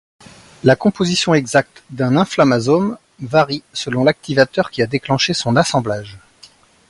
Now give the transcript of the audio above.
La composition exacte d’un inflammasome varie selon l’activateur qui a déclenché son assemblage.